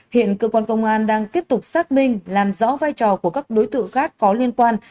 hiện cơ quan công an đang tiếp tục xác minh làm rõ vai trò của các đối tượng khác có liên quan